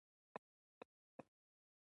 حافظ شېرازي د ژوند د غنیمت ګڼلو په اړه ویلي دي.